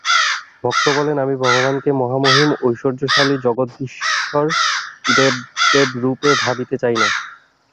ভক্ত বলেন, আমি ভগবানকে মহামহিম, ঐশ্বর্যশালী, জগদীশ্বর দেবদেবরূপে ভাবিতে চাই না।